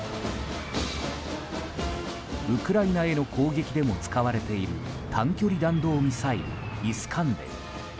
ウクライナへの攻撃でも使われている短距離弾道ミサイルイスカンデル。